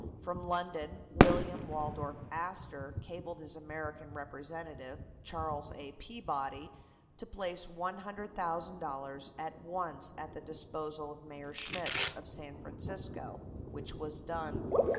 From London William Waldorf Astor cabled his American representative, Charles A. Peabody, to place $100,000 at once at the disposal of Mayor Schmitz, of San Francisco, which was done.